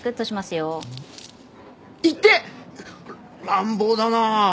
乱暴だな。